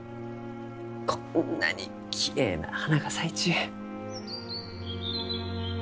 こんなにきれいな花が咲いちゅう。